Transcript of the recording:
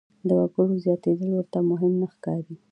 د وګړو زیاتېدل ورته مهم نه ښکاري.